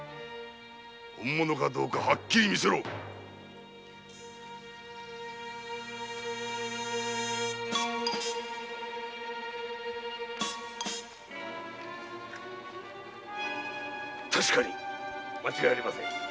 本物かどうかはっきり見せろ確かに間違いありません。